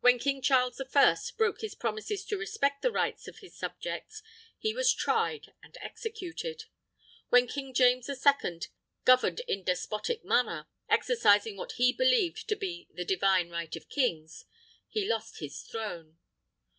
When King Charles the First broke his promises to respect the rights of his subjects, he was tried and executed. When King James the Second governed in despotic manner, exercising what he believed to be the "divine right of Kings," he lost his throne.